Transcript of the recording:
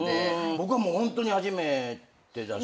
僕はもうホントに初めてだし。